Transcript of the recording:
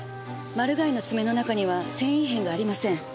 マルガイの爪の中には繊維片がありません。